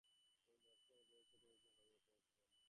যখন বয়স্ক হব, প্রফেসর-ট্রফেসর হব, তখন হয়তো ঘামাব!